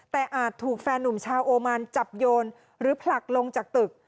แต่อาจถูกแฟนหนุ่มชาวโอมันจับโยนหรือผลักลงจากตึก